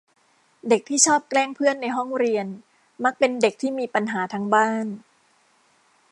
เด็กที่ชอบแกล้งเพื่อนในห้องเรียน มักเป็นเด็กที่มีปัญหาทางบ้าน